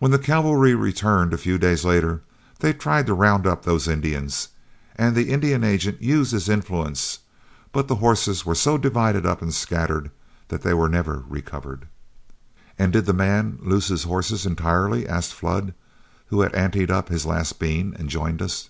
When the cavalry returned a few days later, they tried to round up those Indians, and the Indian agent used his influence, but the horses were so divided up and scattered that they were never recovered." "And did the man lose his horses entirely?" asked Flood, who had anteed up his last bean and joined us.